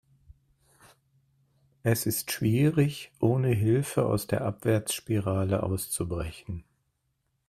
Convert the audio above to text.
Es ist schwierig, ohne Hilfe aus der Abwärtsspirale auszubrechen.